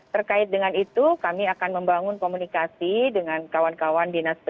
terkait dengan itu kami akan membangun komunikasi dengan kawan kawan dinas kesehatan